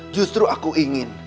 justru aku ingin